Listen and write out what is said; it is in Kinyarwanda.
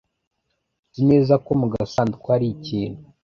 Nzi neza ko mu gasanduku hari ikintu.